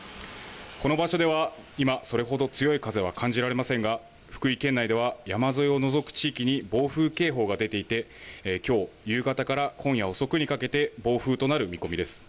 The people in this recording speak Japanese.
この場所では今、それほど強い風は感じられませんが、福井県内では、山沿いを除く地域に暴風警報が出ていて、きょう夕方から今夜遅くにかけて、暴風となる見込みです。